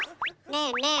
ねえねえ